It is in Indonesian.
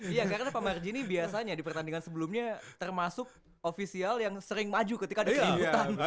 iya karena pak marji ini biasanya di pertandingan sebelumnya termasuk ofisial yang sering maju ketika ada keributan